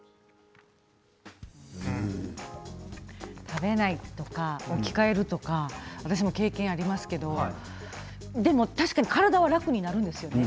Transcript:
食べないとか置き換えるとか私も経験ありますけどでも確かに体は楽になるんですよね